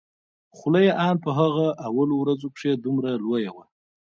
خوله يې ان په هغه اولو ورځو کښې دومره لويه وه.